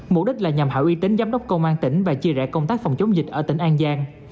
mục đích là nhằm hạ uy tín giám đốc công an tỉnh và chia rẽ công tác phòng chống dịch ở tỉnh an giang